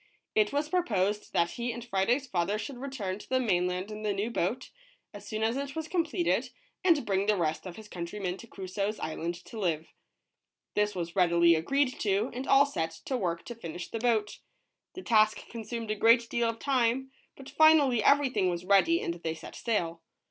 It was proposed that he and Friday's father should return to the mainland in the new boat, as soon as it was completed, and bring the rest of his countrymen to Cru soe's island to live. This was readily agreed to, and all set to work to finish the boat. The task consumed a great deal of time, but finally everything was ready and they set sail.